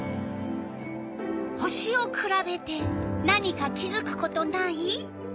星をくらべて何か気づくことない？